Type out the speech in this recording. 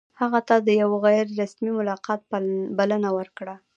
هغه ته د یوه غیر رسمي ملاقات بلنه ورکړه.